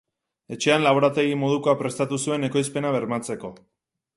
Etxean laborategi modukoa prestatu zuen ekoizpena bermatzeko.